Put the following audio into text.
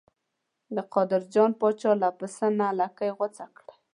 د قادر جان پاچا له پسه نه لکۍ غوڅه کړې.